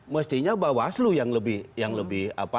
mestinya bawaslu yang lebih